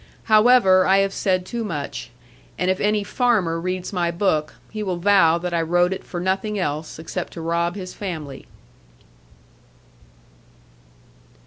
However, I have said too much; and if any farmer reads my book, he will vow that I wrote it for nothing else except to rob his family.